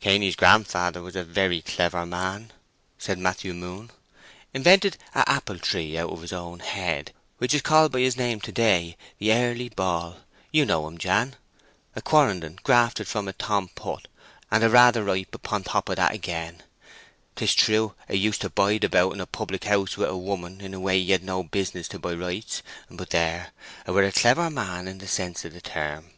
"Cainy's grandfather was a very clever man," said Matthew Moon. "Invented a' apple tree out of his own head, which is called by his name to this day—the Early Ball. You know 'em, Jan? A Quarrenden grafted on a Tom Putt, and a Rathe ripe upon top o' that again. 'Tis trew 'a used to bide about in a public house wi' a 'ooman in a way he had no business to by rights, but there—'a were a clever man in the sense of the term."